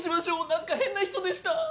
なんか変な人でした。